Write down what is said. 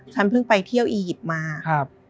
การผึ้งไปที่เตรียมอีกมาครับ